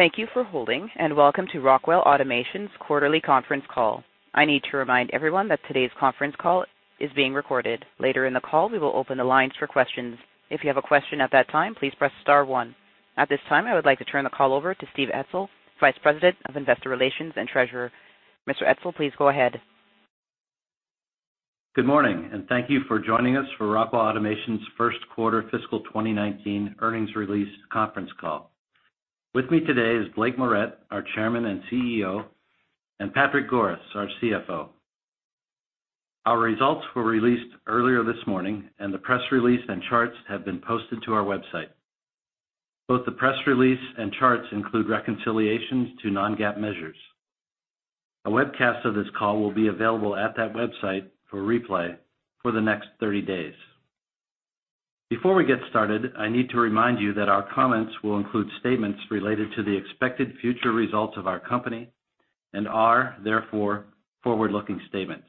Thank you for holding. Welcome to Rockwell Automation's Quarterly Conference Call. I need to remind everyone that today's conference call is being recorded. Later in the call, we will open the lines for questions. If you have a question at that time, please press star one. At this time, I would like to turn the call over to Steve Etzel, Vice President of Investor Relations and Treasurer. Mr. Steve Etzel, please go ahead. Good morning. Thank you for joining us for Rockwell Automation's First Quarter Fiscal 2019 Earnings Release Conference Call. With me today is Blake Moret, our Chairman and CEO, and Patrick Goris, our CFO. Our results were released earlier this morning, and the press release and charts have been posted to our website. Both the press release and charts include reconciliations to non-GAAP measures. A webcast of this call will be available at that website for replay for the next 30 days. Before we get started, I need to remind you that our comments will include statements related to the expected future results of our company and are, therefore, forward-looking statements.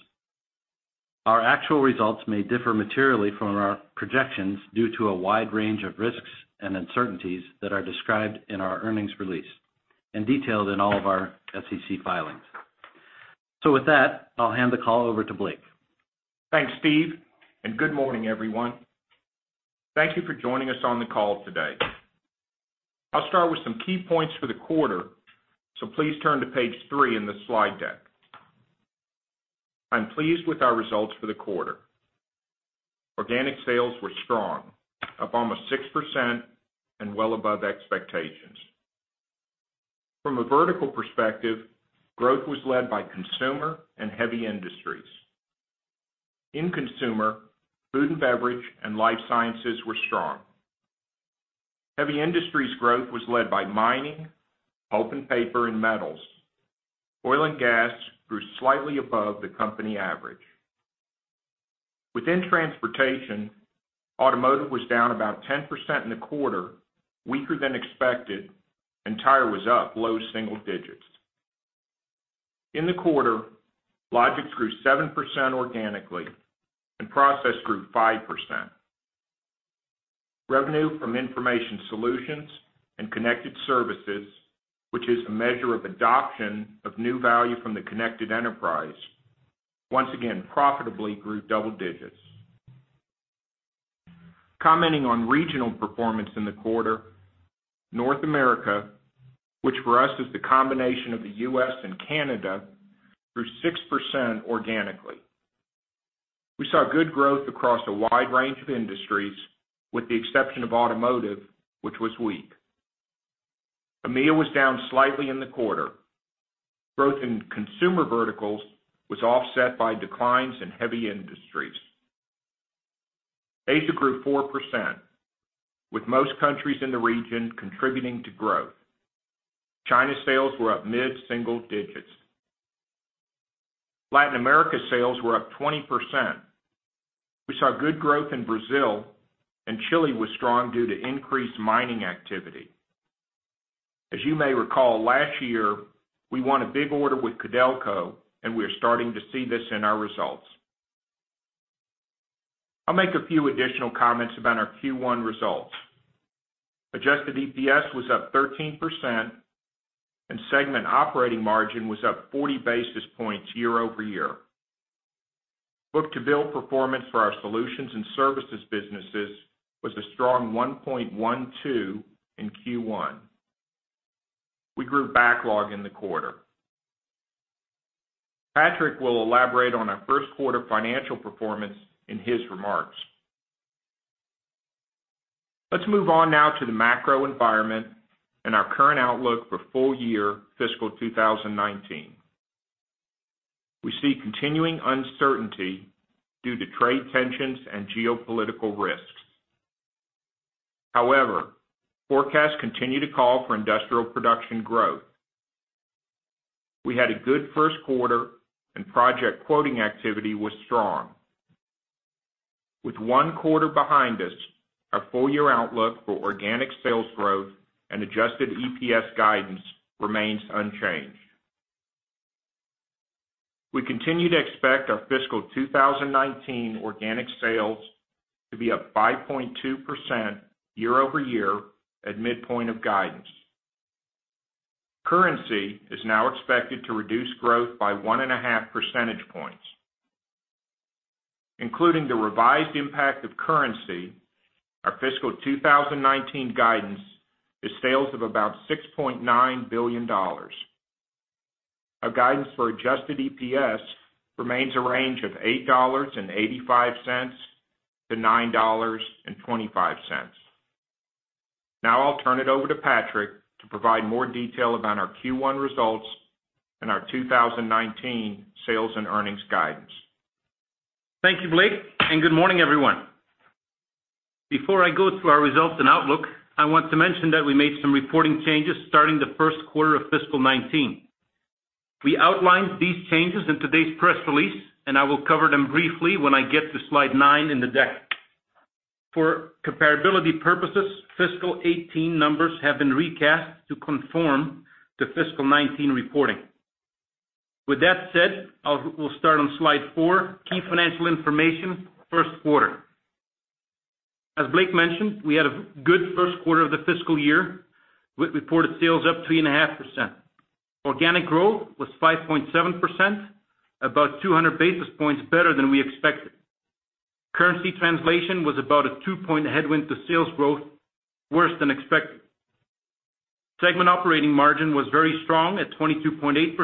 Our actual results may differ materially from our projections due to a wide range of risks and uncertainties that are described in our earnings release and detailed in all of our SEC filings. With that, I'll hand the call over to Blake Moret. Thanks, Steve Etzel. Good morning, everyone. Thank you for joining us on the call today. I'll start with some key points for the quarter. Please turn to page three in the slide deck. I'm pleased with our results for the quarter. Organic sales were strong, up almost 6% and well above expectations. From a vertical perspective, growth was led by consumer and heavy industries. In consumer, food and beverage and life sciences were strong. Heavy industries growth was led by mining, pulp and paper, and metals. Oil and gas grew slightly above the company average. Within transportation, automotive was down about 10% in the quarter, weaker than expected, and tire was up low single digits. In the quarter, logistics grew 7% organically, and process grew 5%. Revenue from Information Solutions and Connected Services, which is a measure of adoption of new value from The Connected Enterprise, once again profitably grew double digits. Commenting on regional performance in the quarter, North America, which for us is the combination of the U.S. and Canada, grew 6% organically. We saw good growth across a wide range of industries, with the exception of automotive, which was weak. EMEA was down slightly in the quarter. Growth in consumer verticals was offset by declines in heavy industries. Asia grew 4%, with most countries in the region contributing to growth. China sales were up mid-single digits. Latin America sales were up 20%. We saw good growth in Brazil, and Chile was strong due to increased mining activity. As you may recall, last year, we won a big order with Codelco, and we are starting to see this in our results. I'll make a few additional comments about our Q1 results. Adjusted EPS was up 13%, and segment operating margin was up 40 basis points year-over-year. Book-to-bill performance for our solutions and services businesses was a strong 1.12 in Q1. We grew backlog in the quarter. Patrick Goris will elaborate on our first quarter financial performance in his remarks. Let's move on now to the macro environment and our current outlook for full-year fiscal 2019. We see continuing uncertainty due to trade tensions and geopolitical risks. However, forecasts continue to call for industrial production growth. We had a good first quarter, and project quoting activity was strong. With one quarter behind us, our full-year outlook for organic sales growth and adjusted EPS guidance remains unchanged. We continue to expect our fiscal 2019 organic sales to be up 5.2% year-over-year at midpoint of guidance. Currency is now expected to reduce growth by 1.5 percentage points. Including the revised impact of currency, our fiscal 2019 guidance is sales of about $6.9 billion. Our guidance for adjusted EPS remains a range of $8.85-$9.25. Now I'll turn it over to Patrick Goris to provide more detail about our Q1 results and our 2019 sales and earnings guidance. Thank you, Blake Moret, and good morning, everyone. Before I go through our results and outlook, I want to mention that we made some reporting changes starting the first quarter of fiscal 2019. We outlined these changes in today's press release, and I will cover them briefly when I get to slide nine in the deck. For comparability purposes, fiscal 2018 numbers have been recast to conform to fiscal 2019 reporting. With that said, we'll start on slide four, key financial information first quarter. As Blake Moret mentioned, we had a good first quarter of the fiscal year with reported sales up 3.5%. Organic growth was 5.7%, about 200 basis points better than we expected. Currency translation was about a two-point headwind to sales growth, worse than expected. Segment operating margin was very strong at 22.8%,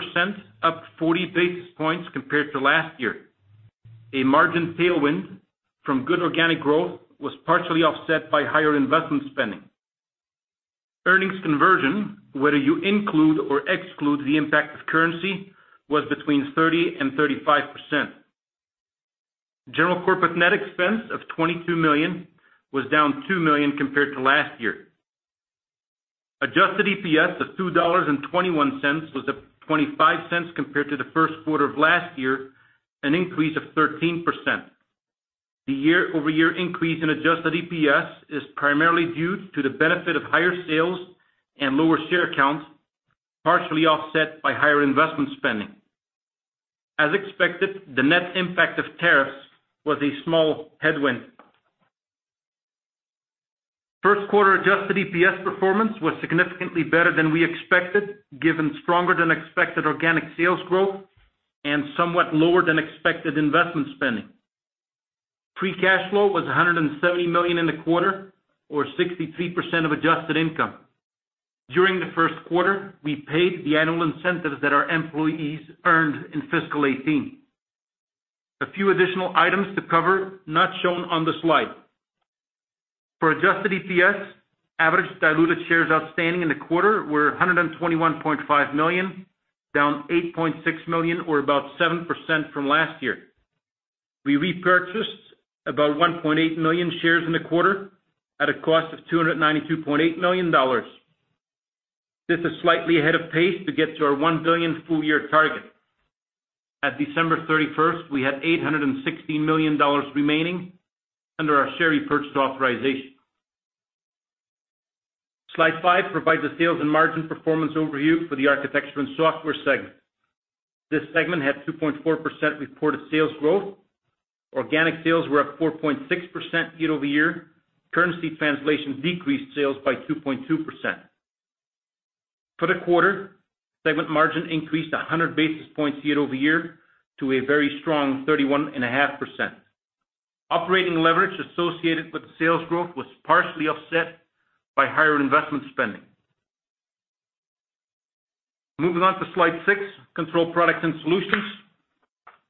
up 40 basis points compared to last year. A margin tailwind from good organic growth was partially offset by higher investment spending. Earnings conversion, whether you include or exclude the impact of currency, was between 30% and 35%. General corporate net expense of $22 million was down $2 million compared to last year. Adjusted EPS of $2.21 was up $0.25 compared to the first quarter of last year, an increase of 13%. The year-over-year increase in adjusted EPS is primarily due to the benefit of higher sales and lower share count, partially offset by higher investment spending. As expected, the net impact of tariffs was a small headwind. First quarter adjusted EPS performance was significantly better than we expected, given stronger than expected organic sales growth and somewhat lower than expected investment spending. Free cash flow was $170 million in the quarter, or 63% of adjusted income. During the first quarter, we paid the annual incentives that our employees earned in fiscal 2018. A few additional items to cover not shown on the slide. For adjusted EPS, average diluted shares outstanding in the quarter were 121.5 million, down 8.6 million or about 7% from last year. We repurchased about 1.8 million shares in the quarter at a cost of $292.8 million. This is slightly ahead of pace to get to our $1 billion full year target. At December 31st, we had $860 million remaining under our share repurchase authorization. Slide five provides a sales and margin performance overview for the Architecture & Software segment. This segment had 2.4% reported sales growth. Organic sales were up 4.6% year-over-year. Currency translation decreased sales by 2.2%. For the quarter, segment margin increased 100 basis points year-over-year to a very strong 31.5%. Operating leverage associated with sales growth was partially offset by higher investment spending. Moving on to slide six, Control Products & Solutions.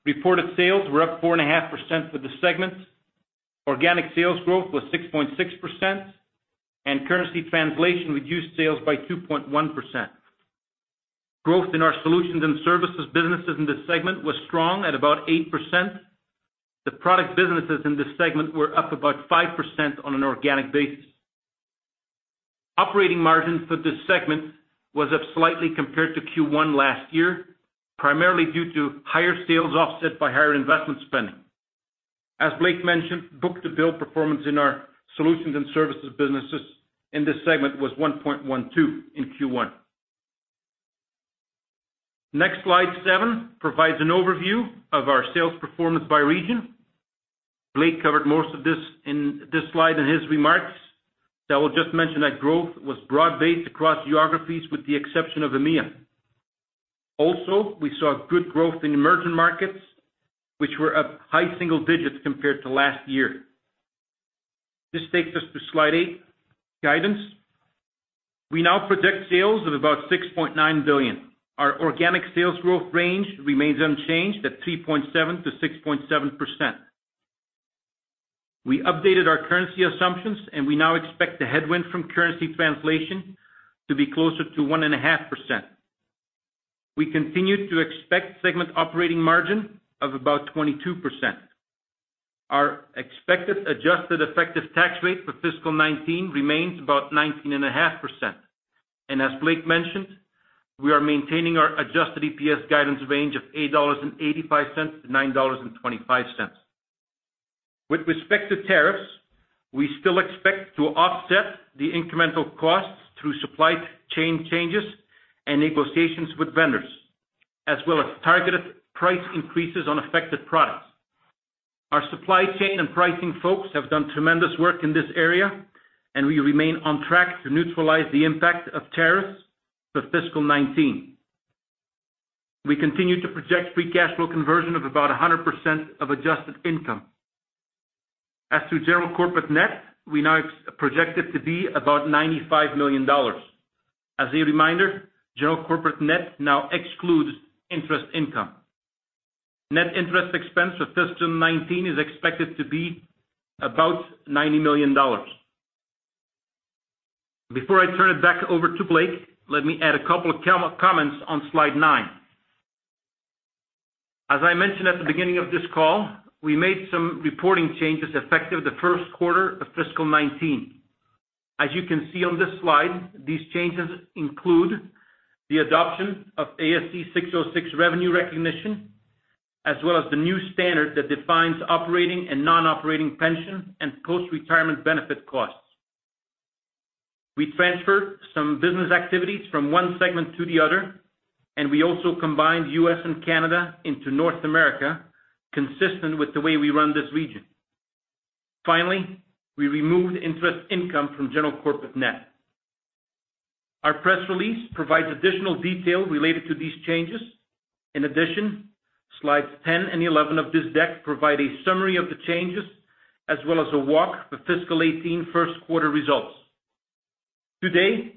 Reported sales were up 4.5% for the segment. Organic sales growth was 6.6%, and currency translation reduced sales by 2.1%. Growth in our solutions and services businesses in this segment was strong at about 8%. The product businesses in this segment were up about 5% on an organic basis. Operating margin for this segment was up slightly compared to Q1 last year, primarily due to higher sales offset by higher investment spending. As Blake Moret mentioned, book-to-bill performance in our solutions and services businesses in this segment was 1.12 in Q1. Next, slide seven provides an overview of our sales performance by region. Blake Moret covered most of this slide in his remarks, so I will just mention that growth was broad-based across geographies with the exception of EMEA. We saw good growth in emerging markets, which were up high single digits compared to last year. This takes us to slide eight, guidance. We now predict sales of about $6.9 billion. Our organic sales growth range remains unchanged at 3.7%-6.7%. We updated our currency assumptions, and we now expect the headwind from currency translation to be closer to 1.5%. We continue to expect segment operating margin of about 22%. Our expected adjusted effective tax rate for fiscal 2019 remains about 19.5%. As Blake Moret mentioned, we are maintaining our adjusted EPS guidance range of $8.85-$9.25. With respect to tariffs, we still expect to offset the incremental costs through supply chain changes and negotiations with vendors, as well as targeted price increases on affected products. Our supply chain and pricing folks have done tremendous work in this area, and we remain on track to neutralize the impact of tariffs for fiscal 2019. We continue to project free cash flow conversion of about 100% of adjusted income. As to general corporate net, we now project it to be about $95 million. As a reminder, general corporate net now excludes interest income. Net interest expense for fiscal 2019 is expected to be about $90 million. Before I turn it back over to Blake Moret, let me add a couple of comments on slide nine. As I mentioned at the beginning of this call, we made some reporting changes effective the first quarter of fiscal 2019. As you can see on this slide, these changes include the adoption of ASC 606 revenue recognition, as well as the new standard that defines operating and non-operating pension and post-retirement benefit costs. We transferred some business activities from one segment to the other, and we also combined U.S. and Canada into North America, consistent with the way we run this region. Finally, we removed interest income from general corporate net. Our press release provides additional detail related to these changes. In addition, slides 10 and 11 of this deck provide a summary of the changes, as well as a walk for fiscal 2018 first quarter results. Today,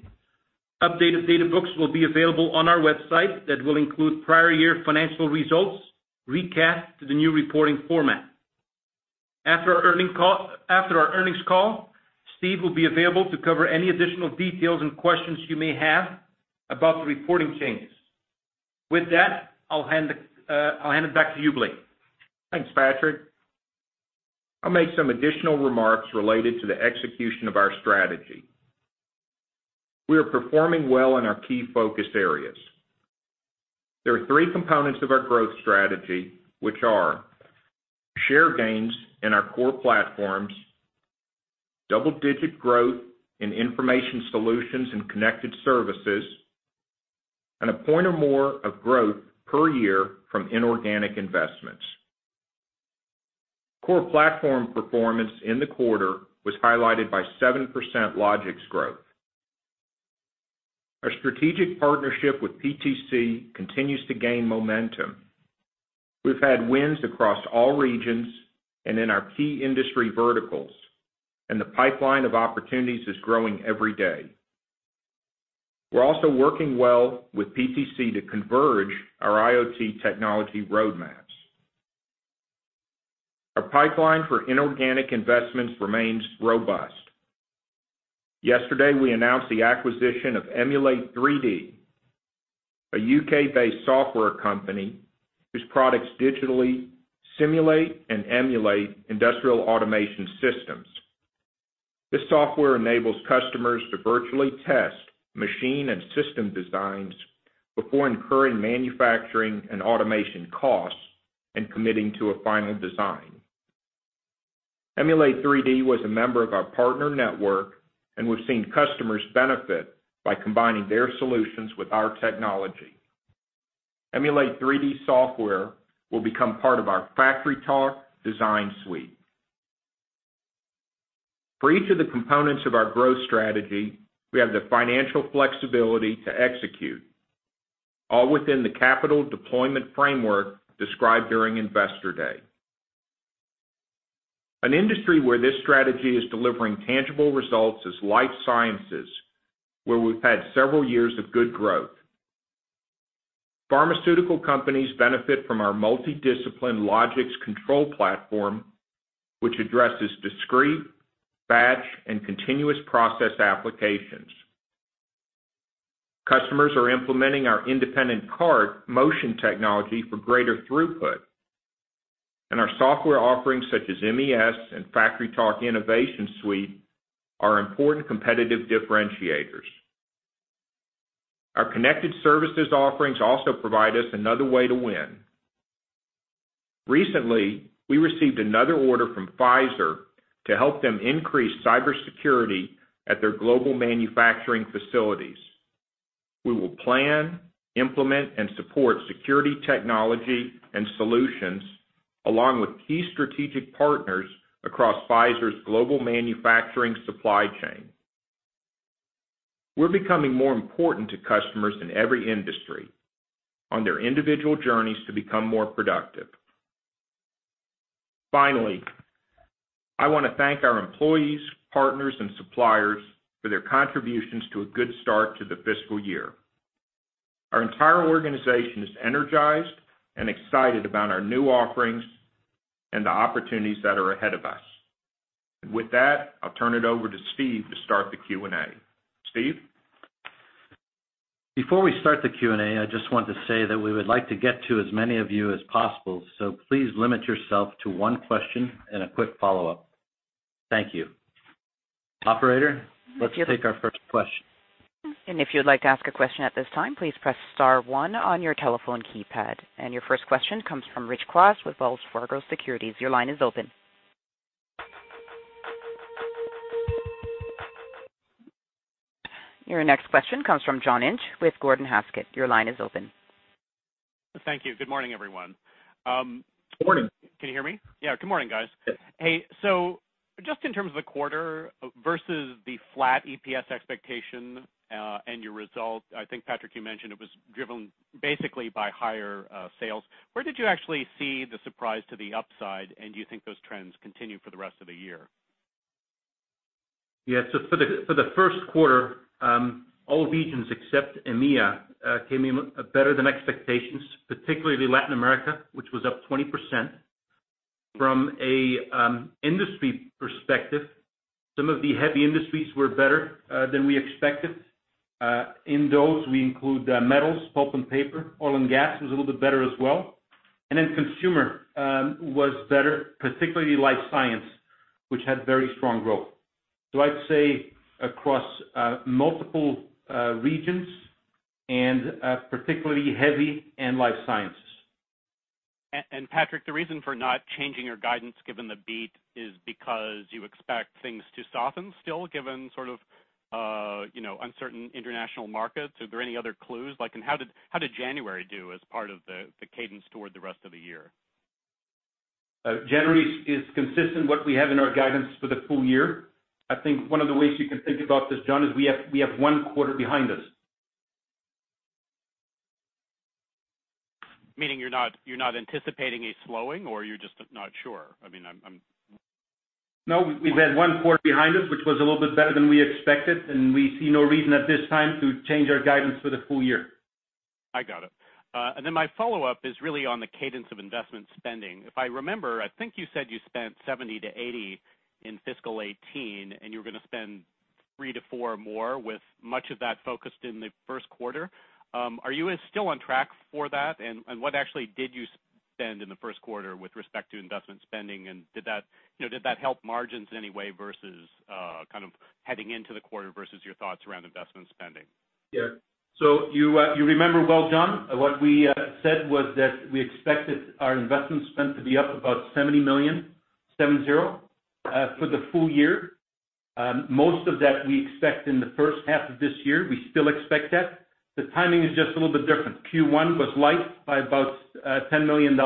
updated data books will be available on our website that will include prior year financial results recast to the new reporting format. After our earnings call, Steve Etzel will be available to cover any additional details and questions you may have about the reporting changes. With that, I'll hand it back to you, Blake Moret. Thanks, Patrick Goris. I'll make some additional remarks related to the execution of our strategy. We are performing well in our key focus areas. There are three components of our growth strategy, which are share gains in our core platforms, double-digit growth in Information Solutions and Connected Services, and a point or more of growth per year from inorganic investments. Core platform performance in the quarter was highlighted by 7% Logix growth. Our strategic partnership with PTC continues to gain momentum. We've had wins across all regions and in our key industry verticals, and the pipeline of opportunities is growing every day. We're also working well with PTC to converge our IoT technology roadmaps. Our pipeline for inorganic investments remains robust. Yesterday, we announced the acquisition of Emulate3D, a U.K.-based software company whose products digitally simulate and emulate industrial automation systems. This software enables customers to virtually test machine and system designs before incurring manufacturing and automation costs and committing to a final design. Emulate3D was a member of our partner network, and we've seen customers benefit by combining their solutions with our technology. Emulate3D software will become part of our FactoryTalk Design Suite. For each of the components of our growth strategy, we have the financial flexibility to execute, all within the capital deployment framework described during Investor Day. An industry where this strategy is delivering tangible results is life sciences, where we've had several years of good growth. Pharmaceutical companies benefit from our multi-discipline Logix control platform, which addresses discrete, batch, and continuous process applications. Customers are implementing our independent cart motion technology for greater throughput. Our software offerings, such as MES and FactoryTalk Innovation Suite, are important competitive differentiators. Our connected services offerings also provide us another way to win. Recently, we received another order from Pfizer to help them increase cybersecurity at their global manufacturing facilities. We will plan, implement, and support security technology and solutions along with key strategic partners across Pfizer's global manufacturing supply chain. We're becoming more important to customers in every industry on their individual journeys to become more productive. Finally, I want to thank our employees, partners, and suppliers for their contributions to a good start to the fiscal year. Our entire organization is energized and excited about our new offerings and the opportunities that are ahead of us. With that, I'll turn it over to Steve Etzel to start the Q&A. Steve Etzel? Before we start the Q&A, I just want to say that we would like to get to as many of you as possible, so please limit yourself to one question and a quick follow-up. Thank you. Operator, let's take our first question. If you'd like to ask a question at this time, please press star one on your telephone keypad. Your first question comes from Rich Kwas with Wells Fargo Securities. Your line is open. Your next question comes from John Inch with Gordon Haskett. Your line is open. Thank you. Good morning, everyone. Morning. Can you hear me? Yeah. Good morning, guys. Yeah. Hey, just in terms of the quarter versus the flat EPS expectation, and your result, I think, Patrick Goris, you mentioned it was driven basically by higher sales. Where did you actually see the surprise to the upside? Do you think those trends continue for the rest of the year? Yeah. For the first quarter, all regions except EMEA, came in better than expectations, particularly Latin America, which was up 20%. From an industry perspective, some of the heavy industries were better than we expected. In those, we include metals, pulp and paper. Oil and gas was a little bit better as well. Consumer was better, particularly life science, which had very strong growth. I'd say across multiple regions and particularly heavy and life sciences. Patrick Goris, the reason for not changing your guidance, given the beat, is because you expect things to soften still, given uncertain international markets? Are there any other clues? How did January do as part of the cadence toward the rest of the year? January is consistent what we have in our guidance for the full year. I think one of the ways you can think about this, John Inch, is we have one quarter behind us. Meaning you're not anticipating a slowing, or you're just not sure? We've had one quarter behind us, which was a little bit better than we expected, and we see no reason at this time to change our guidance for the full year. I got it. My follow-up is really on the cadence of investment spending. If I remember, I think you said you spent $70 million-$80 million in fiscal 2018, and you were going to spend $3 million-$4 million more with much of that focused in the first quarter. Are you still on track for that, and what actually did you spend in the first quarter with respect to investment spending, and did that help margins in any way versus heading into the quarter versus your thoughts around investment spending? You remember well, John Inch. What we said was that we expected our investment spend to be up about $70 million for the full year. Most of that we expect in the first half of this year. We still expect that. The timing is just a little bit different. Q1 was light by about $10 million.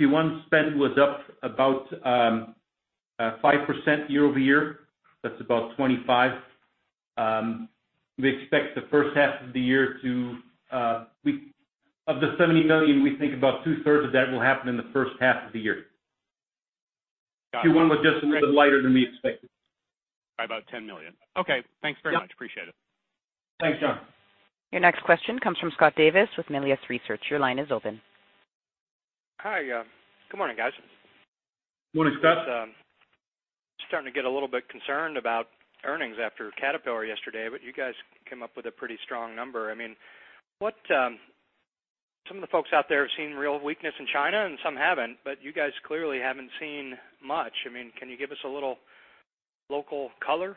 Q1 spend was up about 5% year-over-year. That's about $25 million. Of the $70 million, we think about two-thirds of that will happen in the first half of the year. Got you. Q1 was just a little bit lighter than we expected. By about $10 million. Okay. Yeah. Thanks very much. Appreciate it. Thanks, John Inch. Your next question comes from Scott Davis with Melius Research. Your line is open. Hi. Good morning, guys. Good morning, Scott Davis. Just starting to get a little bit concerned about earnings after Caterpillar yesterday, but you guys came up with a pretty strong number. Some of the folks out there have seen real weakness in China, and some haven't, but you guys clearly haven't seen much. Can you give us a little local color?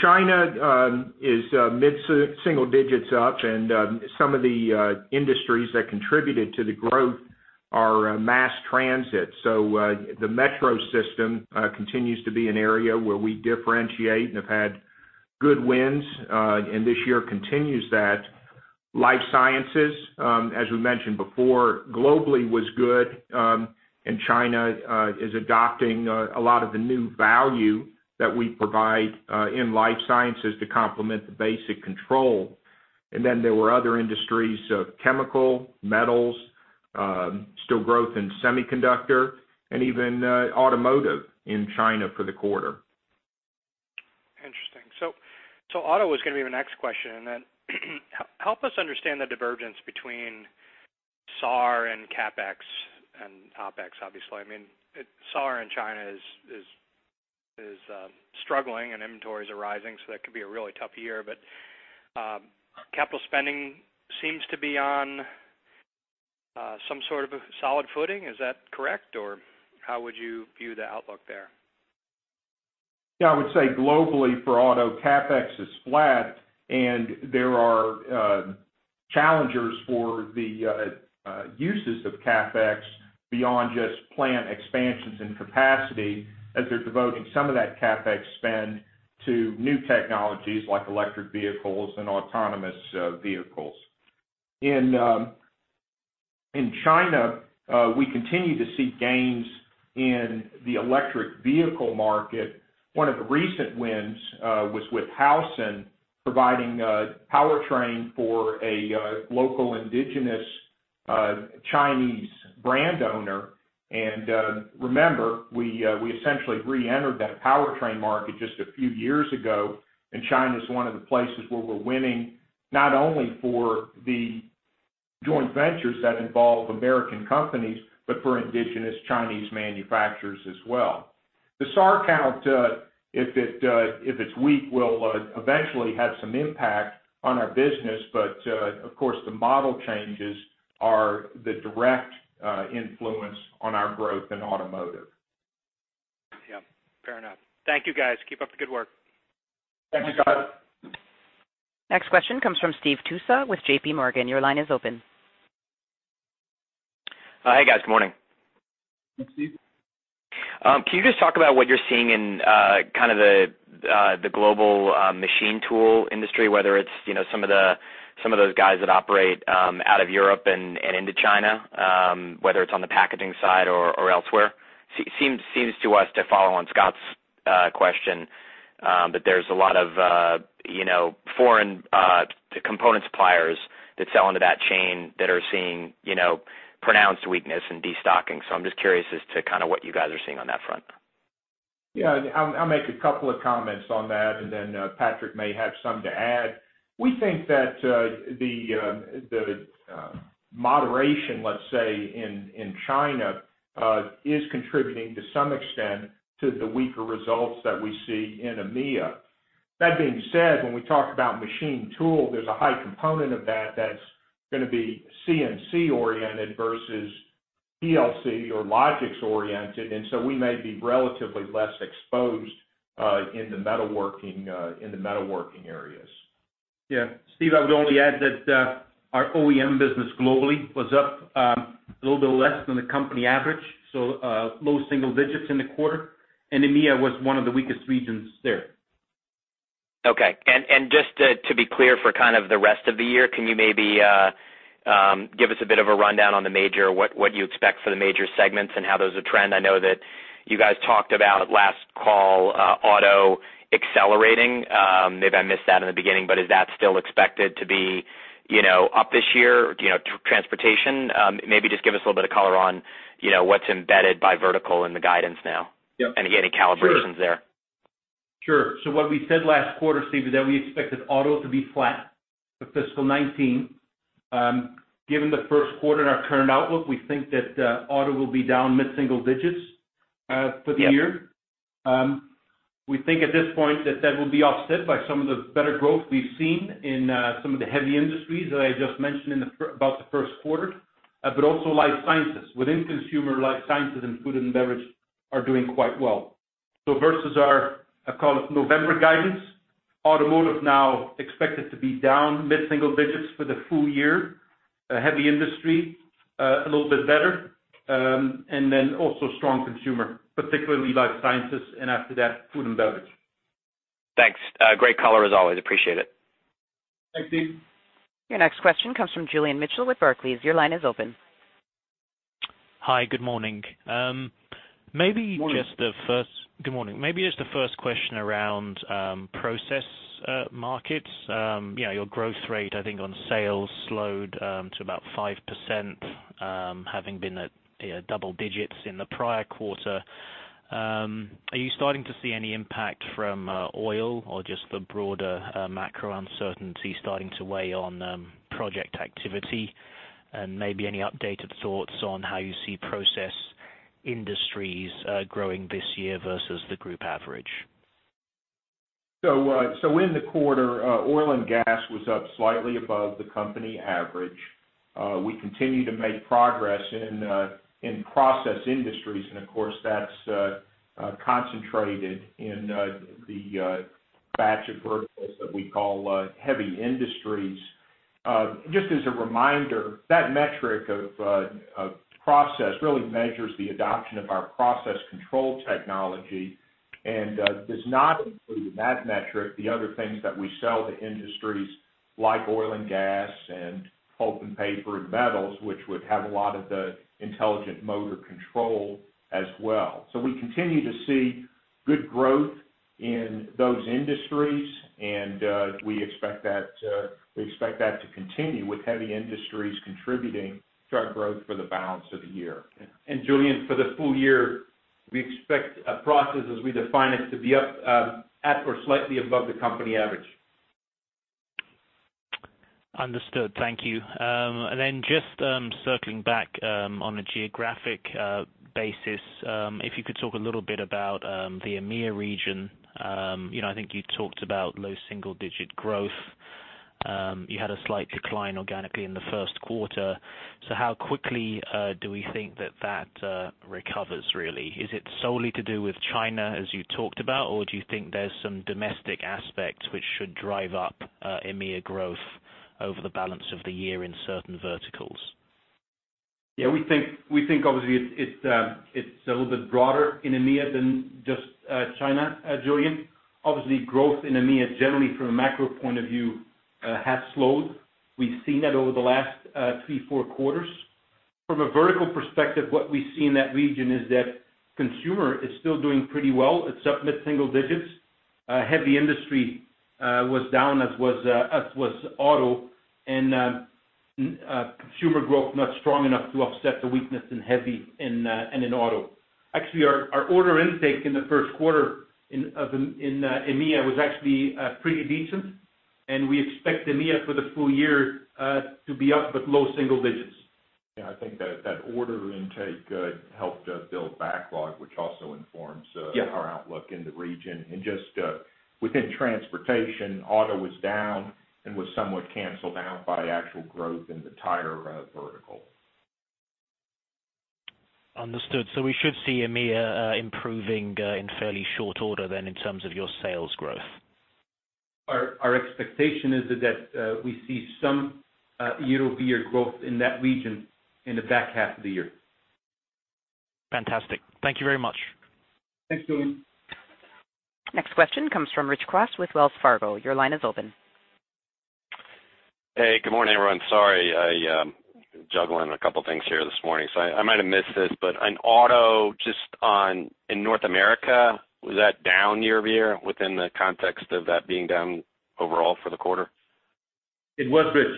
China is mid-single digits up, and some of the industries that contributed to the growth are mass transit. The metro system continues to be an area where we differentiate and have had good wins, and this year continues that. Life sciences, as we mentioned before, globally was good, and China is adopting a lot of the new value that we provide in life sciences to complement the basic control. Then there were other industries, chemical, metals, still growth in semiconductor, and even automotive in China for the quarter. Interesting. Auto was going to be my next question, help us understand the divergence between SAAR and CapEx and OpEx, obviously. SAAR in China is struggling and inventories are rising, that could be a really tough year. Capital spending seems to be on some sort of a solid footing. Is that correct, or how would you view the outlook there? I would say globally for auto, CapEx is flat, there are challengers for the uses of CapEx beyond just plant expansions and capacity, as they're devoting some of that CapEx spend to new technologies like electric vehicles and autonomous vehicles. In China, we continue to see gains in the electric vehicle market. One of the recent wins was with Haosen providing a powertrain for a local indigenous Chinese brand owner. Remember, we essentially re-entered that powertrain market just a few years ago, China's one of the places where we're winning, not only for the joint ventures that involve American companies, but for indigenous Chinese manufacturers as well. The SAAR count, if it's weak, will eventually have some impact on our business. Of course, the model changes are the direct influence on our growth in automotive. Fair enough. Thank you, guys. Keep up the good work. Thanks, Scott Davis. Next question comes from Stephen Tusa with JPMorgan. Your line is open. Hi, guys. Good morning. Good morning, Stephen Tusa. Can you just talk about what you're seeing in kind of the global machine tool industry, whether it's some of those guys that operate out of Europe and into China, whether it's on the packaging side or elsewhere? Seems to us, to follow on Scott Davis question, that there's a lot of foreign component suppliers that sell into that chain that are seeing pronounced weakness in destocking. I'm just curious as to kind of what you guys are seeing on that front. Yeah, I'll make a couple of comments on that, and then Patrick Goris may have some to add. We think that the moderation, let's say, in China is contributing to some extent to the weaker results that we see in EMEA. That being said, when we talk about machine tool, there's a high component of that that's going to be CNC-oriented versus PLC or Logix oriented, and so we may be relatively less exposed in the metalworking areas. Yeah. Stephen Tusa, I would only add that our OEM business globally was up a little bit less than the company average, so low single digits in the quarter. EMEA was one of the weakest regions there. Okay. Just to be clear for kind of the rest of the year, can you maybe give us a bit of a rundown on what you expect for the major segments and how those will trend? I know that you guys talked about last call auto accelerating. Maybe I missed that in the beginning, is that still expected to be up this year, transportation? Maybe just give us a little bit of color on what's embedded by vertical in the guidance now. Yep. Again, any calibrations there. Sure. What we said last quarter, Stephen Tusa, is that we expected auto to be flat for fiscal 2019. Given the first quarter and our current outlook, we think that auto will be down mid-single digits for the year. Yep. We think at this point that that will be offset by some of the better growth we've seen in some of the heavy industries that I just mentioned about the first quarter, but also life sciences. Within consumer, life sciences and food and beverage are doing quite well. Versus our, call it November guidance, automotive now expected to be down mid-single digits for the full year. Heavy industry, a little bit better. Then also strong consumer, particularly life sciences, and after that, food and beverage. Thanks. Great color as always. Appreciate it. Thanks, Stephen Tusa. Your next question comes from Julian Mitchell with Barclays. Your line is open. Hi. Good morning. Morning. Good morning. Just the first question around process markets. Your growth rate, I think on sales slowed to about 5%, having been at double digits in the prior quarter. Are you starting to see any impact from oil or just the broader macro uncertainty starting to weigh on project activity? Maybe any updated thoughts on how you see process industries growing this year versus the group average? In the quarter, oil and gas was up slightly above the company average. We continue to make progress in process industries, and of course, that's concentrated in the batch of verticals that we call heavy industries. Just as a reminder, that metric of process really measures the adoption of our process control technology and does not include in that metric the other things that we sell to industries like oil and gas and pulp and paper and metals, which would have a lot of the intelligent motor control as well. We continue to see good growth in those industries, and we expect that to continue with heavy industries contributing to our growth for the balance of the year. Julian Mitchell, for the full year, we expect a process as we define it to be up at or slightly above the company average. Understood. Thank you. Just circling back on a geographic basis, if you could talk a little bit about the EMEA region. I think you talked about low single-digit growth. You had a slight decline organically in the first quarter. How quickly do we think that that recovers really? Is it solely to do with China as you talked about, or do you think there's some domestic aspect which should drive up EMEA growth over the balance of the year in certain verticals? Yeah. We think obviously it's a little bit broader in EMEA than just China, Julian Mitchell. Obviously, growth in EMEA generally from a macro point of view, has slowed. We've seen that over the last three, four quarters. From a vertical perspective, what we see in that region is that consumer is still doing pretty well. It's up mid-single digits. Heavy industry was down, as was auto, and consumer growth not strong enough to offset the weakness in heavy and in auto. Actually, our order intake in the first quarter in EMEA was actually pretty decent, and we expect EMEA for the full year to be up but low single digits. Yeah, I think that order intake helped build backlog, which also informs- Yeah. our outlook in the region. Just within transportation, Auto was down and was somewhat canceled out by actual growth in the tire vertical. Understood. We should see EMEA improving in fairly short order then in terms of your sales growth? Our expectation is that we see some year-over-year growth in that region in the back half of the year. Fantastic. Thank you very much. Thanks, Julian Mitchell. Next question comes from Rich Kwas with Wells Fargo Securities. Your line is open. Hey, good morning, everyone. Sorry, I am juggling a couple things here this morning. I might have missed this, but on auto, just in North America, was that down year-over-year within the context of that being down overall for the quarter? It was, Rich Kwas.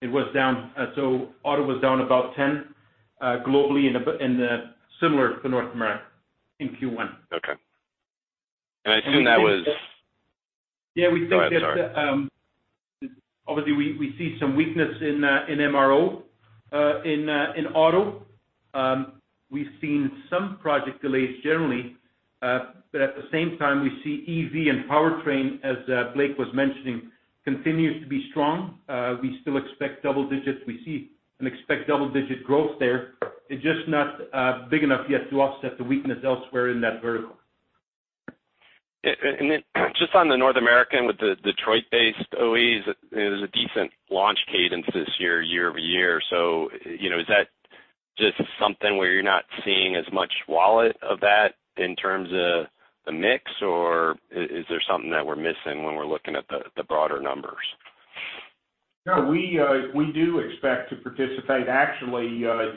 It was down. Auto was down about 10 globally, and similar for North America in Q1. Okay. I assume that was. Yeah, we think that. Go ahead, sorry. Obviously, we see some weakness in MRO in auto. We've seen some project delays generally. At the same time, we see EV and powertrain, as Blake Moret was mentioning, continues to be strong. We still expect double digits. We see and expect double-digit growth there. It's just not big enough yet to offset the weakness elsewhere in that vertical. Just on the North American with the Detroit-based OEs, there's a decent launch cadence this year-over-year. Is that just something where you're not seeing as much wallet of that in terms of the mix, or is there something that we're missing when we're looking at the broader numbers? No, we do expect to participate actually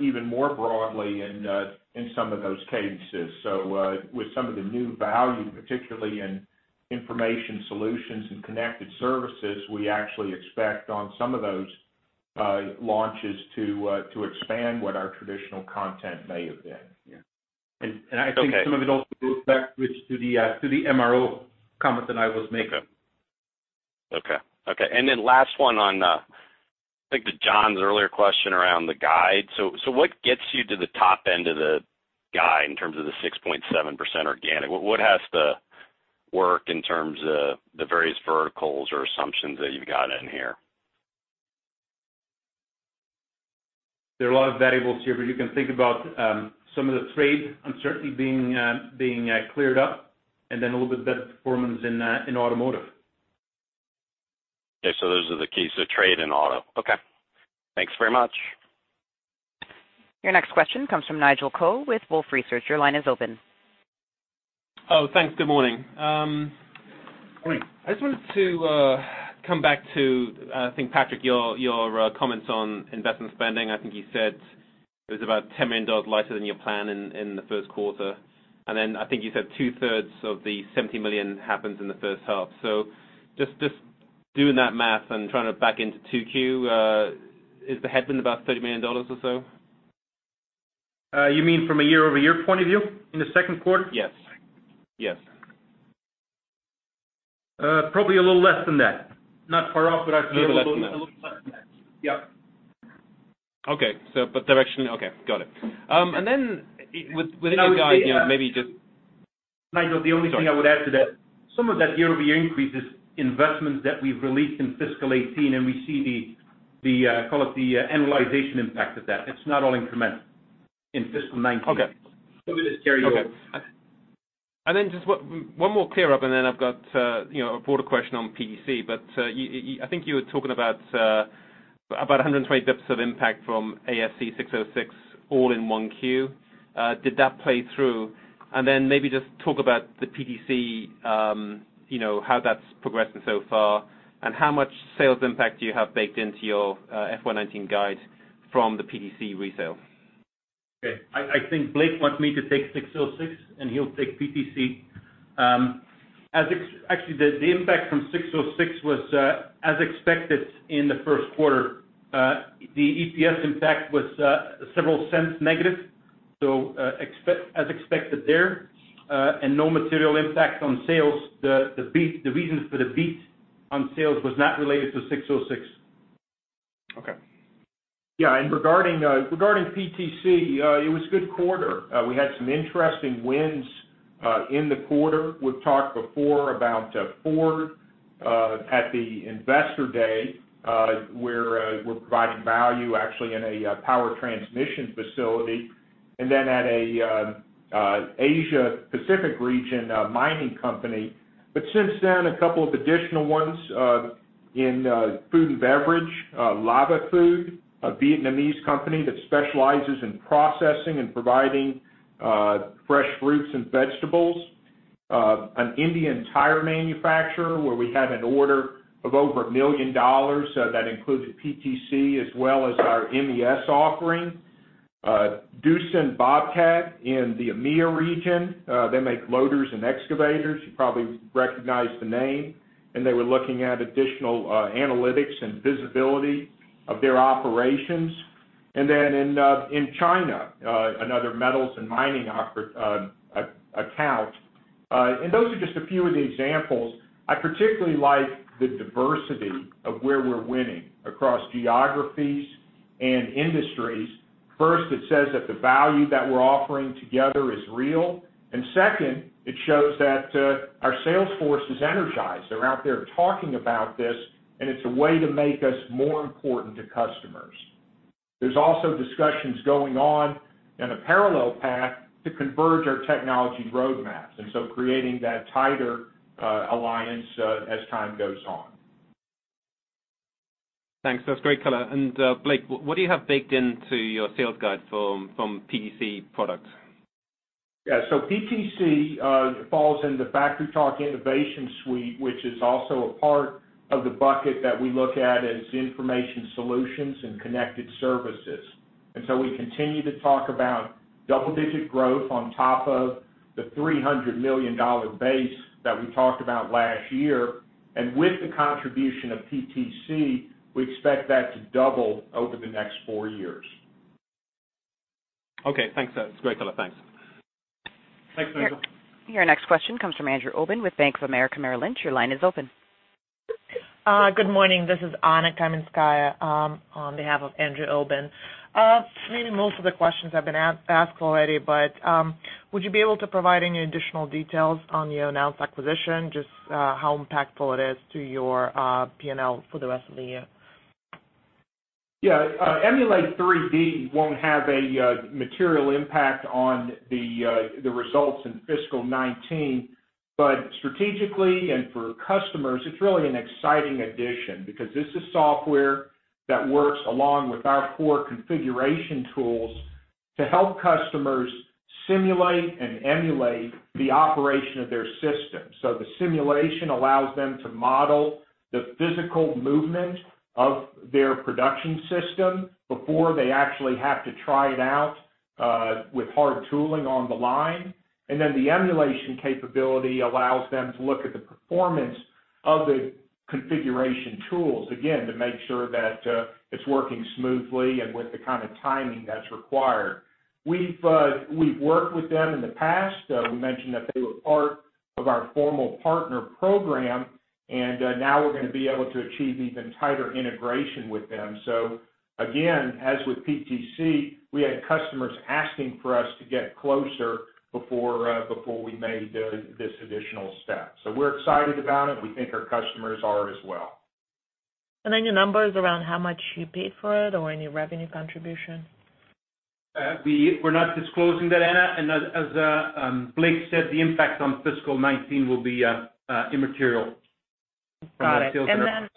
even more broadly in some of those cases. With some of the new value, particularly in Information Solutions and Connected Services, we actually expect on some of those launches to expand what our traditional content may have been. Yeah. I think some of it also goes back, which to the MRO comment that I was making. Okay. Last one on, I think to John Inch's earlier question around the guide. What gets you to the top end of the guide in terms of the 6.7% organic? What has to work in terms of the various verticals or assumptions that you've got in here? There are a lot of variables here, but you can think about some of the trade uncertainty being cleared up, and then a little bit better performance in automotive. Okay. Those are the keys, the trade and auto. Okay. Thanks very much. Your next question comes from Nigel Coe with Wolfe Research. Your line is open. Oh, thanks. Good morning. Morning. I just wanted to come back to, I think, Patrick Goris, your comments on investment spending. I think you said it was about $10 million lighter than your plan in the first quarter. I think you said two-thirds of the $70 million happens in the first half. Just doing that math and trying to back into 2Q, is the headwind about $30 million or so? You mean from a year-over-year point of view in the second quarter? Yes. Probably a little less than that. Not far off, but actually a little less than that. Yep. Okay. Okay, got it. With your guide, maybe just- Nigel Coe, the only thing I would add to that, some of that year-over-year increase is investments that we've released in fiscal 2018, and we see the, call it the annualization impact of that. It's not all incremental in fiscal 2019. Okay. I'm going to carry over. Just one more clear up, then I've got a broader question on PTC. I think you were talking about 120 basis point impact from ASC 606 all in one Q. Did that play through? Maybe just talk about the PTC, how that's progressing so far, and how much sales impact do you have baked into your FY 2019 guide from the PTC resale? Okay. I think Blake Moret wants me to take 606, and he'll take PTC. Actually, the impact from 606 was as expected in the first quarter. The EPS impact was several cents negative, so as expected there, and no material impact on sales. The reasons for the beat on sales was not related to 606. Okay. Yeah. Regarding PTC, it was a good quarter. We had some interesting wins in the quarter. We've talked before about Ford at the Investor Day, where we're providing value actually in a power transmission facility. At an Asia Pacific region mining company. Since then, a couple of additional ones in food and beverage, Laba Food, a Vietnamese company that specializes in processing and providing fresh fruits and vegetables. An Indian tire manufacturer where we have an order of over $1 million, that includes PTC as well as our MES offering. Doosan Bobcat in the EMEA region. They make loaders and excavators. You probably recognize the name, and they were looking at additional analytics and visibility of their operations. In China, another metals and mining account. Those are just a few of the examples. I particularly like the diversity of where we're winning across geographies and industries. First, it says that the value that we're offering together is real, and second, it shows that our sales force is energized. They're out there talking about this, and it's a way to make us more important to customers. There's also discussions going on in a parallel path to converge our technology roadmaps, creating that tighter alliance as time goes on. Thanks. That's great color. Blake Moret, what do you have baked into your sales guide from PTC products? Yeah. PTC falls in the FactoryTalk InnovationSuite, which is also a part of the bucket that we look at as Information Solutions and Connected Services. We continue to talk about double-digit growth on top of the $300 million base that we talked about last year. With the contribution of PTC, we expect that to double over the next four years. Okay, thanks. That's great color. Thanks. Thanks, Nigel Coe. Your next question comes from Andrew Obin with Bank of America Merrill Lynch. Your line is open. Good morning. This is Anna Kaminskaya on behalf of Andrew Obin. Really most of the questions have been asked already, but would you be able to provide any additional details on the announced acquisition? Just how impactful it is to your P&L for the rest of the year? Yeah. Emulate3D won't have a material impact on the results in fiscal 2019. Strategically and for customers, it's really an exciting addition because this is software that works along with our core configuration tools to help customers simulate and emulate the operation of their system. The simulation allows them to model the physical movement of their production system before they actually have to try it out with hard tooling on the line. Then the emulation capability allows them to look at the performance of the configuration tools, again, to make sure that it's working smoothly and with the kind of timing that's required. We've worked with them in the past. We mentioned that they were part of our formal partner program, now we're going to be able to achieve even tighter integration with them. Again, as with PTC, we had customers asking for us to get closer before we made this additional step. We're excited about it. We think our customers are as well. Any numbers around how much you paid for it or any revenue contribution? We're not disclosing that, Anna Kaminskaya. As Blake Moret said, the impact on fiscal 2019 will be immaterial from a sales purpose.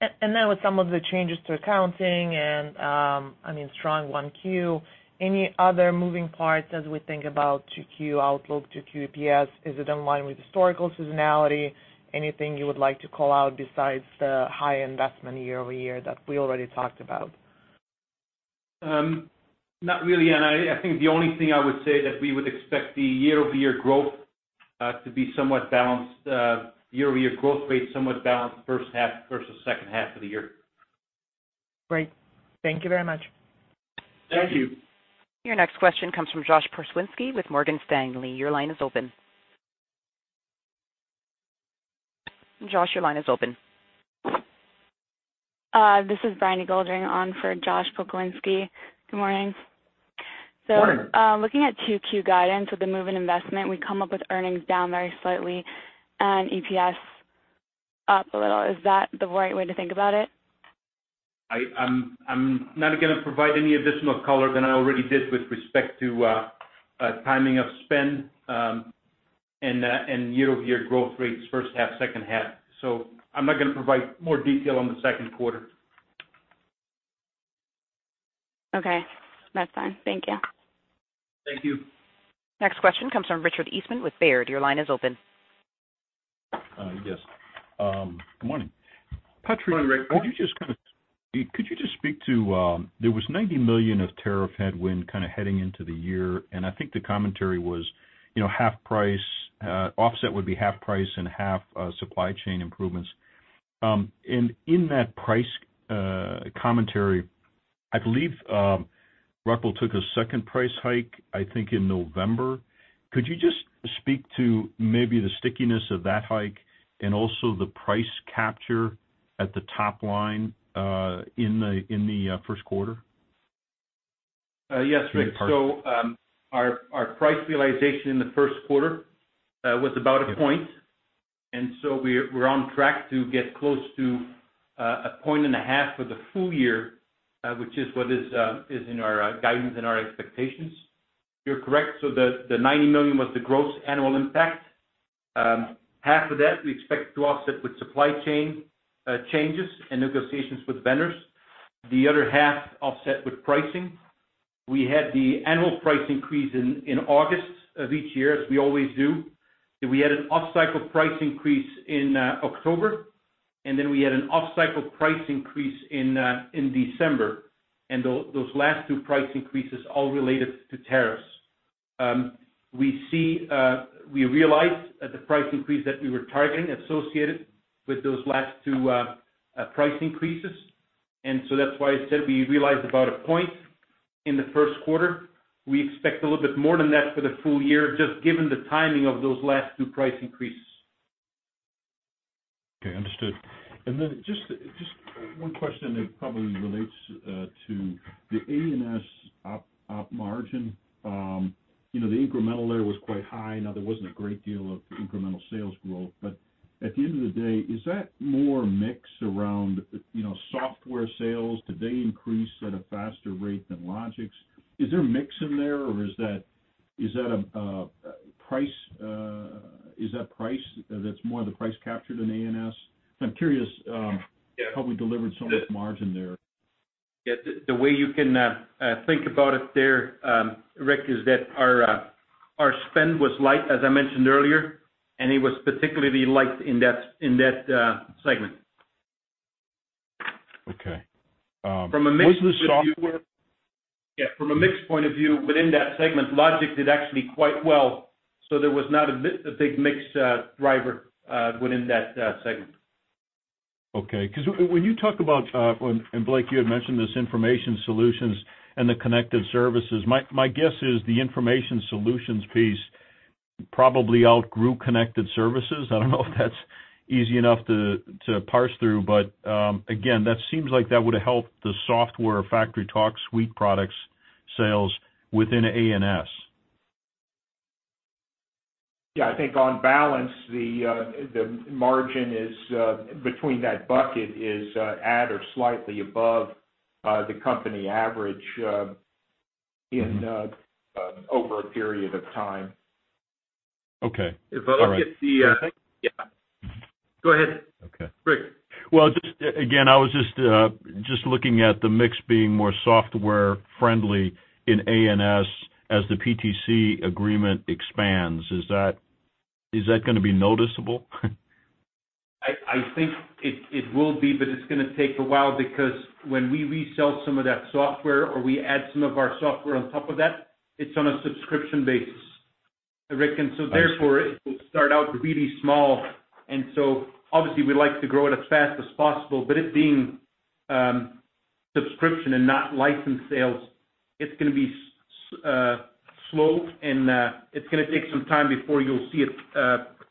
Got it. With some of the changes to accounting and, I mean, strong 1Q, any other moving parts as we think about 2Q outlook, 2Q EPS? Is it in line with historical seasonality? Anything you would like to call out besides the high investment year-over-year that we already talked about? Not really, Anna Kaminskaya. I think the only thing I would say that we would expect the year-over-year growth rate somewhat balanced first half versus second half of the year. Great. Thank you very much. Thank you. Your next question comes from Josh Pokrzywinski with Morgan Stanley. Your line is open. Josh Pokrzywinski, your line is open. This is Breindy Goldring on for Josh Pokrzywinski. Good morning. Morning. Looking at 2Q guidance with the move in investment, we come up with earnings down very slightly and EPS up a little. Is that the right way to think about it? I'm not going to provide any additional color than I already did with respect to timing of spend and year-over-year growth rates first half, second half. I'm not going to provide more detail on the second quarter. Okay. That's fine. Thank you. Thank you. Next question comes from Richard Eastman with Baird. Your line is open. Yes. Good morning. Good morning, Richard Eastman. Patrick Goris, could you just speak to, there was $90 million of tariff headwind kind of heading into the year, and I think the commentary was offset would be half price and half supply chain improvements. In that price commentary, I believe Rockwell Automation took a second price hike, I think, in November. Could you just speak to maybe the stickiness of that hike and also the price capture at the top line in the first quarter? Yes, Richard Eastman. Our price realization in the first quarter was about a point, we're on track to get close to a point and a half for the full year, which is what is in our guidance and our expectations. You're correct, the $90 million was the gross annual impact. Half of that we expect to offset with supply chain changes and negotiations with vendors. The other half offset with pricing. We had the annual price increase in August of each year, as we always do. We had an off-cycle price increase in October, we had an off-cycle price increase in December, those last two price increases all related to tariffs. We realized that the price increase that we were targeting associated with those last two price increases, that's why I said we realized about a point in the first quarter. We expect a little bit more than that for the full year, just given the timing of those last two price increases. Okay. Understood. Then just one question that probably relates to the A&S op margin. The incremental there was quite high. There wasn't a great deal of incremental sales growth. At the end of the day, is that more mix around software sales? Did they increase at a faster rate than Logix? Is there a mix in there or is that price that's more the price capture than A&S? I'm curious how we delivered so much margin there. Yeah. The way you can think about it there, Richard Eastman, is that our spend was light, as I mentioned earlier, it was particularly light in that segment. Okay. From a mix point of view. Was the software? Yeah, from a mix point of view within that segment, Logix did actually quite well, so there was not a big mix driver within that segment. Okay, because when you talk about, and Blake Moret, you had mentioned this Information Solutions and Connected Services, my guess is the Information Solutions piece probably outgrew Connected Services. I don't know if that's easy enough to parse through, but again, that seems like that would've helped the software FactoryTalk suite products sales within A&S. Yeah, I think on balance, the margin between that bucket is at or slightly above the company average. over a period of time. Okay. All right. If I look at the. Yeah. Go ahead. Okay. Richard Eastman. Well, again, I was just looking at the mix being more software friendly in A&S as the PTC agreement expands. Is that going to be noticeable? I think it will be, but it's going to take a while because when we resell some of that software or we add some of our software on top of that, it's on a subscription basis, Richard Eastman, and so therefore it will start out really small. Obviously we'd like to grow it as fast as possible, but it being subscription and not licensed sales, it's going to be slow, and it's going to take some time before you'll see it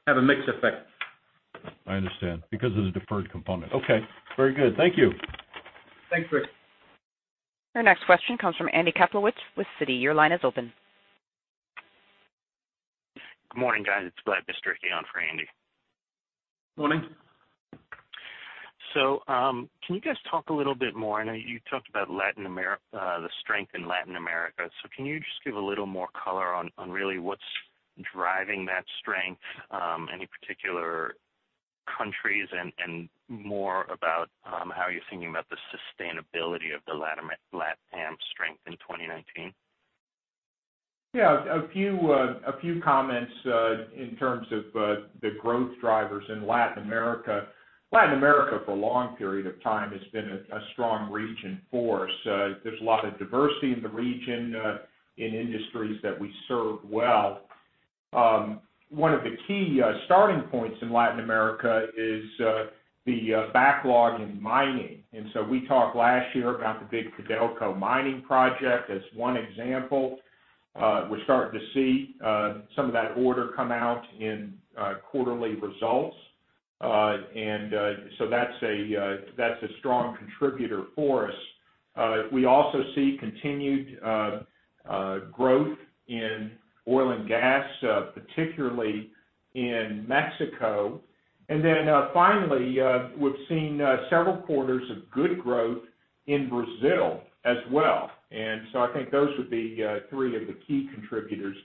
have a mixed effect. I understand. Because of the deferred component. Okay. Very good. Thank you. Thanks, Richard Eastman. Our next question comes from Andrew Kaplowitz with Citi. Your line is open. Good morning, guys. It's Vlad Bystricky on for Andrew Kaplowitz. Morning. Can you guys talk a little bit more, I know you talked about the strength in Latin America, so can you just give a little more color on really what's driving that strength? Any particular countries and more about how you're thinking about the sustainability of the LatAm strength in 2019? Yeah. A few comments in terms of the growth drivers in Latin America. Latin America, for a long period of time, has been a strong region for us. There's a lot of diversity in the region, in industries that we serve well. One of the key starting points in Latin America is the backlog in mining. We talked last year about the big Codelco mining project as one example. We're starting to see some of that order come out in quarterly results. That's a strong contributor for us. We also see continued growth in oil and gas, particularly in Mexico. Finally, we've seen several quarters of good growth in Brazil as well. I think those would be three of the key contributors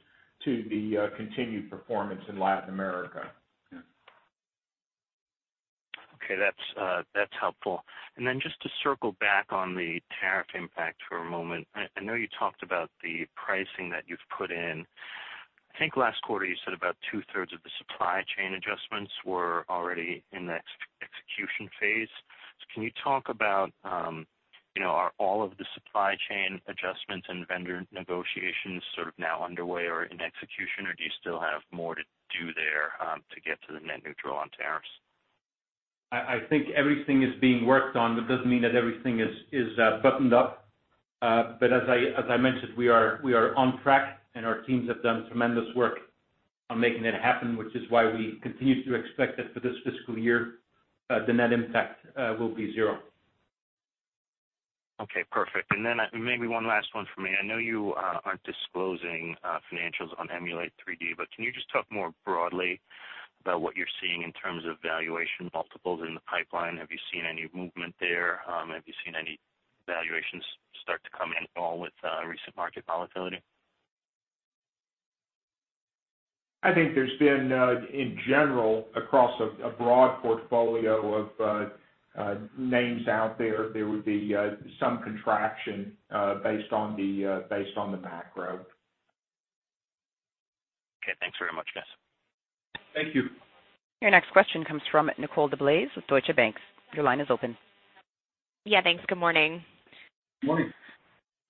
to the continued performance in Latin America. Yeah. Okay, that's helpful. Just to circle back on the tariff impact for a moment. I know you talked about the pricing that you've put in. I think last quarter you said about two-thirds of the supply chain adjustments were already in the execution phase. Can you talk about, are all of the supply chain adjustments and vendor negotiations sort of now underway or in execution, or do you still have more to do there to get to the net neutral on tariffs? I think everything is being worked on, but doesn't mean that everything is buttoned up. As I mentioned, we are on track and our teams have done tremendous work on making that happen, which is why we continue to expect that for this fiscal year, the net impact will be zero. Okay, perfect. Then maybe one last one for me. I know you aren't disclosing financials on Emulate3D, can you just talk more broadly about what you're seeing in terms of valuation multiples in the pipeline? Have you seen any movement there? Have you seen any valuations start to come in at all with recent market volatility? I think there's been, in general, across a broad portfolio of names out there would be some contraction based on the macro. Okay. Thanks very much, guys. Thank you. Your next question comes from Nicole DeBlase with Deutsche Bank. Your line is open. Yeah, thanks. Good morning. Morning.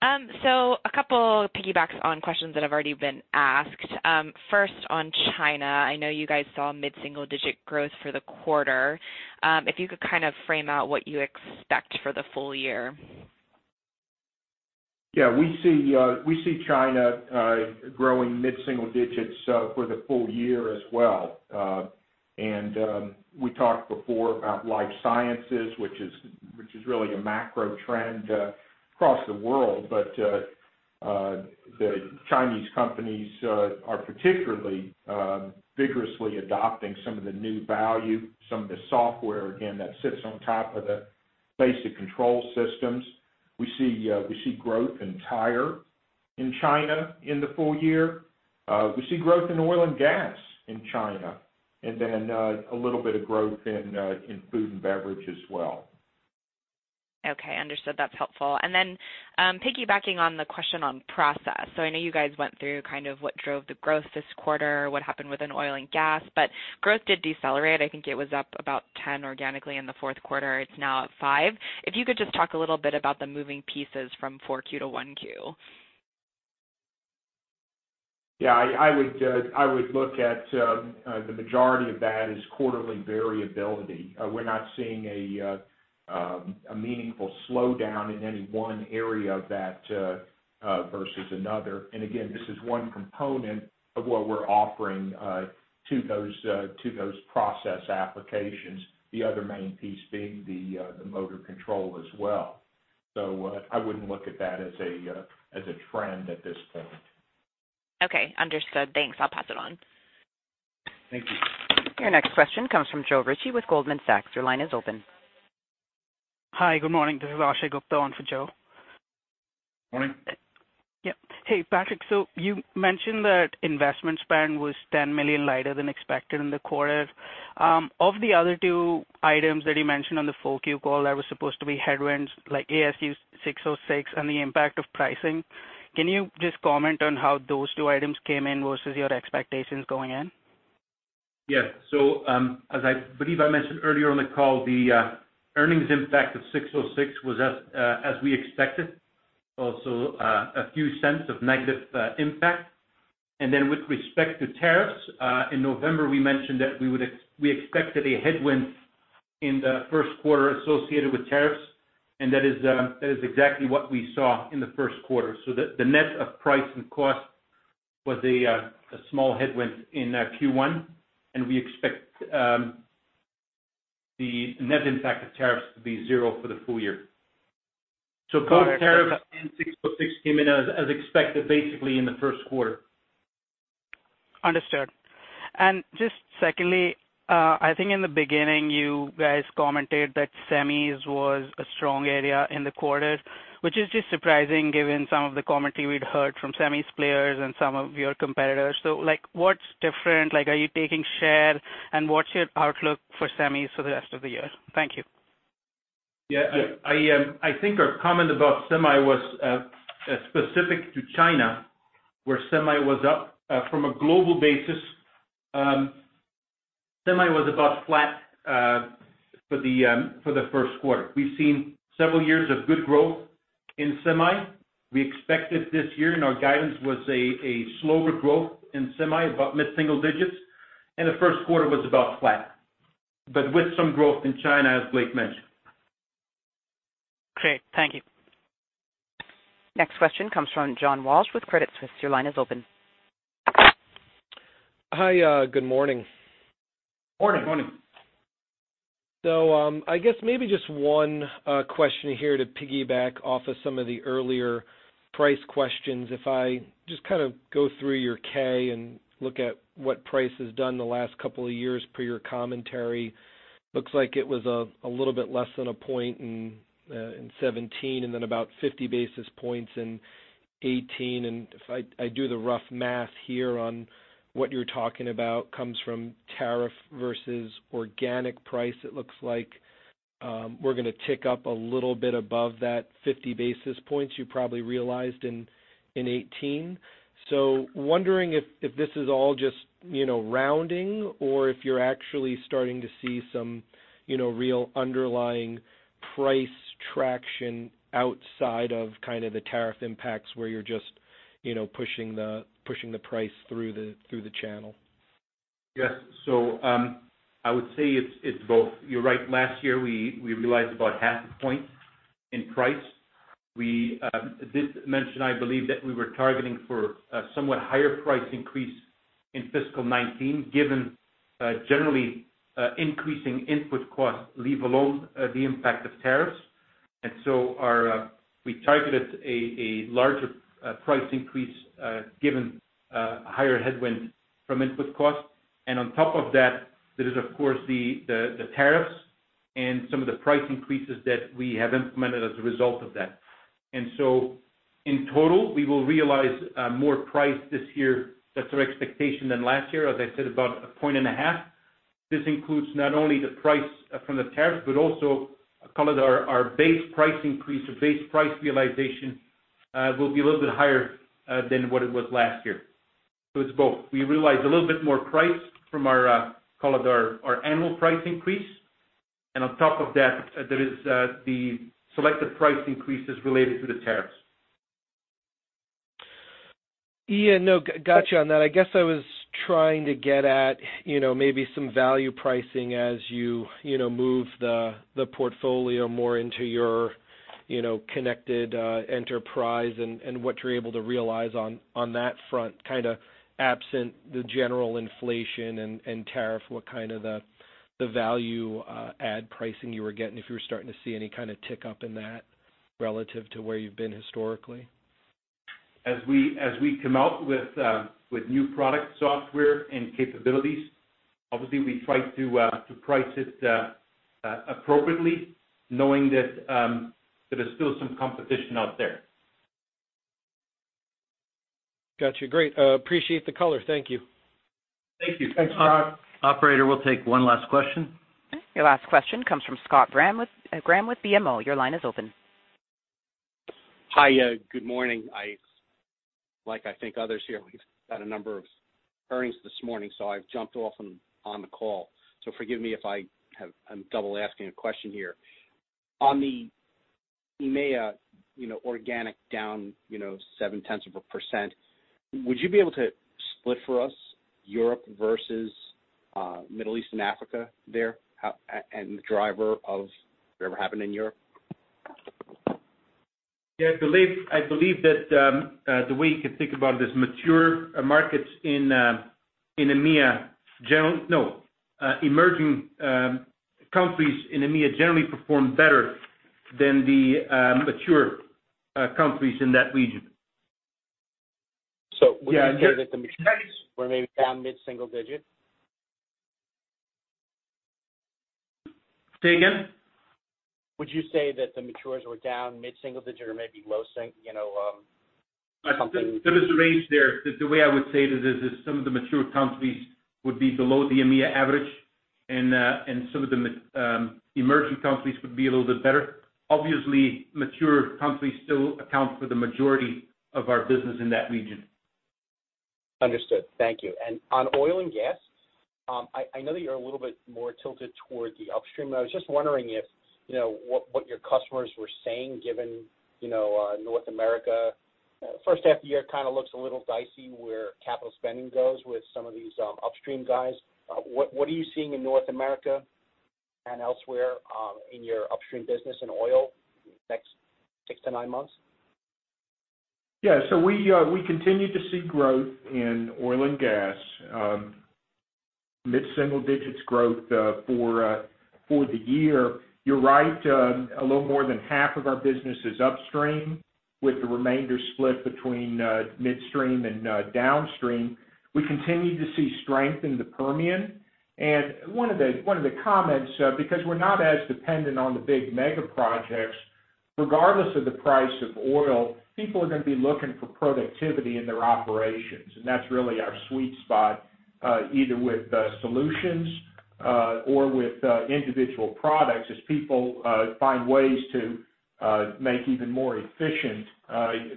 A couple piggybacks on questions that have already been asked. First on China, I know you guys saw mid-single-digit growth for the quarter. If you could kind of frame out what you expect for the full year. Yeah, we see China growing mid-single digits for the full year as well. We talked before about life sciences, which is really a macro trend across the world. The Chinese companies are particularly vigorously adopting some of the new value, some of the software, again, that sits on top of the basic control systems. We see growth in tire in China in the full year. We see growth in oil and gas in China, a little bit of growth in food and beverage as well. Okay, understood. That's helpful. Piggybacking on the question on process. I know you guys went through kind of what drove the growth this quarter, what happened within oil and gas, but growth did decelerate. I think it was up about 10% organically in the fourth quarter. It's now at 5%. If you could just talk a little bit about the moving pieces from Q4-Q1. I would look at the majority of that as quarterly variability. We're not seeing a meaningful slowdown in any one area of that versus another. This is one component of what we're offering to those process applications. The other main piece being the motor control as well. I wouldn't look at that as a trend at this point. Okay, understood. Thanks, I'll pass it on. Thank you. Your next question comes from Joe Ritchie with Goldman Sachs. Your line is open. Hi, good morning. This is Ashay Gupta on for Joe Ritchie. Morning. Yep. Hey, Patrick Goris, you mentioned that investment spend was $10 million lighter than expected in the quarter. Of the other two items that you mentioned on the 4Q call that were supposed to be headwinds, like ASC 606 and the impact of pricing, can you just comment on how those two items came in versus your expectations going in? Yeah. As I believe I mentioned earlier on the call, the earnings impact of 606 was as we expected. A few cents of negative impact. With respect to tariffs, in November, we mentioned that we expected a headwind in the first quarter associated with tariffs, and that is exactly what we saw in the first quarter. The net of price and cost was a small headwind in Q1, and we expect the net impact of tariffs to be zero for the full year. Both tariffs and 606 came in as expected basically in the first quarter. Just secondly, I think in the beginning you guys commented that semis was a strong area in the quarter, which is just surprising given some of the commentary we'd heard from semis players and some of your competitors. What's different? Are you taking share, and what's your outlook for semis for the rest of the year? Thank you. Yeah. I think our comment about semi was specific to China, where semi was up. From a global basis, semi was about flat for the first quarter. We've seen several years of good growth in semi. We expected this year, and our guidance was a slower growth in semi, about mid-single digits, and the first quarter was about flat, but with some growth in China, as Blake Moret mentioned. Great. Thank you. Next question comes from John Walsh with Credit Suisse. Your line is open. Hi, good morning. Morning. Morning. I guess maybe just one question here to piggyback off of some of the earlier price questions. If I just kind of go through your K and look at what price has done in the last couple of years per your commentary, looks like it was a little bit less than a point in 2017, and then about 50 basis points in 2018. If I do the rough math here on what you're talking about comes from tariff versus organic price, it looks like we're going to tick up a little bit above that 50 basis points you probably realized in 2018. Wondering if this is all just rounding or if you're actually starting to see some real underlying price traction outside of kind of the tariff impacts where you're just pushing the price through the channel. Yes. I would say it's both. You're right, last year we realized about half a point in price. We did mention, I believe, that we were targeting for a somewhat higher price increase in fiscal 2019, given generally increasing input costs, leave alone the impact of tariffs. We targeted a larger price increase given a higher headwind from input costs. On top of that, there is of course the tariffs and some of the price increases that we have implemented as a result of that. In total, we will realize more price this year, that's our expectation, than last year, as I said, about a point and a half. This includes not only the price from the tariff, but also call it our base price increase or base price realization will be a little bit higher than what it was last year. It's both. We realized a little bit more price from our, call it our annual price increase, and on top of that there is the selected price increases related to the tariffs. Yeah, no, got you on that. I guess I was trying to get at maybe some value pricing as you move the portfolio more into your The Connected Enterprise and what you're able to realize on that front, kind of absent the general inflation and tariff, what kind of the value add pricing you were getting, if you were starting to see any kind of tick up in that relative to where you've been historically. As we come out with new product software and capabilities, obviously we try to price it appropriately, knowing that there is still some competition out there. Got you. Great. Appreciate the color. Thank you. Thank you. Thanks. Operator, we'll take one last question. Your last question comes from Scott Graham with BMO. Your line is open. Hi. Good morning. Like I think others here, we've had a number of earnings this morning, I've jumped off on the call. Forgive me if I'm double asking a question here. On EMEA, organic down seven tenths of a percent. Would you be able to split for us Europe versus Middle East and Africa there, and the driver of whatever happened in Europe? I believe that the way you could think about it is mature markets in EMEA. Emerging countries in EMEA generally perform better than the mature countries in that region. Would you say that the matures were maybe down mid-single digit? Say again? Would you say that the matures were down mid-single digit or maybe low single? There is a range there. The way I would say this is some of the mature countries would be below the EMEA average, and some of the emerging countries would be a little bit better. Obviously, mature countries still account for the majority of our business in that region. Understood. Thank you. On oil and gas, I know that you're a little bit more tilted toward the upstream, and I was just wondering what your customers were saying given North America. First half of the year kind of looks a little dicey where capital spending goes with some of these upstream guys. What are you seeing in North America and elsewhere in your upstream business in oil the next six to nine months? Yeah. We continue to see growth in oil and gas, mid-single-digit growth for the year. You're right, a little more than half of our business is upstream, with the remainder split between midstream and downstream. We continue to see strength in the Permian, and one of the comments, because we're not as dependent on the big mega projects, regardless of the price of oil, people are going to be looking for productivity in their operations. That's really our sweet spot, either with solutions or with individual products, as people find ways to make even more efficient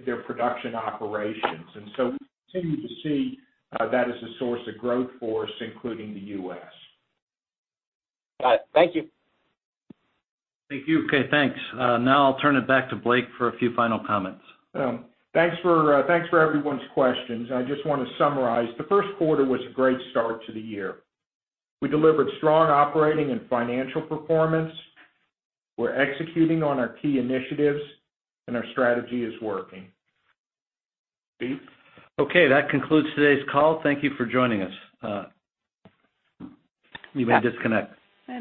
their production operations. We continue to see that as a source of growth for us, including the U.S. All right. Thank you. Thank you. Okay, thanks. Now I'll turn it back to Blake Moret for a few final comments. Thanks for everyone's questions. I just want to summarize. The first quarter was a great start to the year. We delivered strong operating and financial performance, we're executing on our key initiatives. Our strategy is working. Steve Etzel? Okay. That concludes today's call. Thank you for joining us. You may disconnect.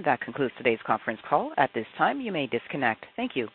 That concludes today's conference call. At this time, you may disconnect. Thank you.